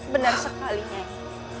benar sekali nyai